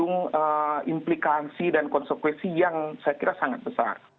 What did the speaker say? itu implikasi dan konsekuensi yang saya kira sangat besar